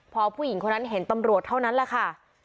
พอผู้หญิงคนนั้นเห็นตำรวจเท่านั้นแหละค่ะ